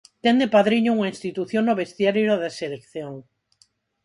Ten de padriño unha institución no vestiario da selección.